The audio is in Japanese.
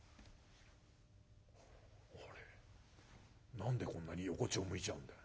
何でこんなに横ちょを向いちゃうんだよ。